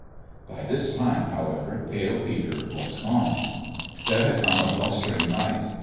By this time, however, Pale Peter was gone. There had come a blustering night.